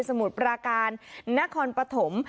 มุดปราการนครปฐม